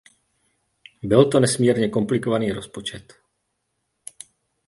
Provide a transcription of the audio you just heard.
Byl to nesmírně komplikovaný rozpočet.